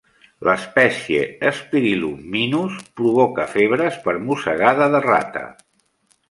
L'espècie "Spirillum minus" provoca febres per mossegada de rata.